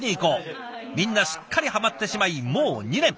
みんなすっかりはまってしまいもう２年。